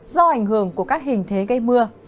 do ảnh hưởng của các hình thế gây mưa